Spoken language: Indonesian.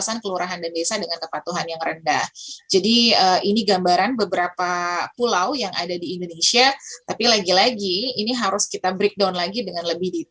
silahkan dr dewi dilanjutkan